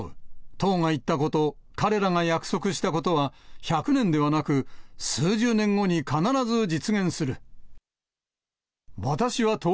党が言ったこと、彼らが約束したことは、１００年ではなく、数十年後に必ず実現する。